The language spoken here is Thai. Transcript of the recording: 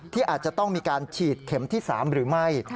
ที่อาจจะต้องมีการฉีดเข็มที่๓หรือไม่